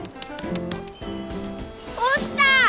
落ちた！